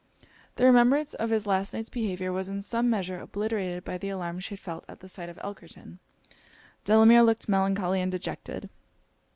The remembrance of his last night's behaviour was in some measure obliterated by the alarm she had felt at the sight of Elkerton. Delamere looked melancholy and dejected.